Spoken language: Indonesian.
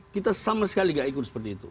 kita sama sekali gak ikut seperti itu